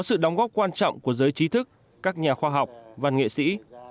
sự đóng góp quan trọng của giới trí thức các nhà khoa học văn nghệ sĩ